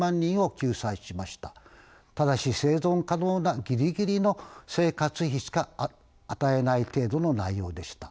ただし生存可能なギリギリの生活費しか与えない程度の内容でした。